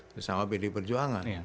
bersama bdi perjuangan